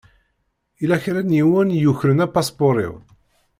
Yella kra n yiwen i yukren apaspuṛ-iw.